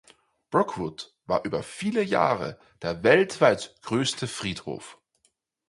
Brookwood war über viele Jahre der weltweit größte Friedhof.